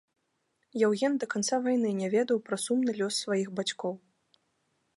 Яўген да канца вайны не ведаў пра сумны лёс сваіх бацькоў.